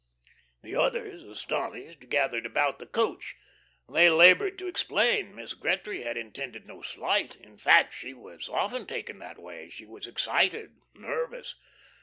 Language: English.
The others, astonished, gathered about the "coach." They laboured to explain. Miss Gretry had intended no slight. In fact she was often taken that way; she was excited, nervous.